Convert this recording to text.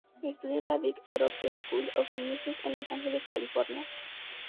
Estudió en la Dick Grove School of Music en Los Angeles California.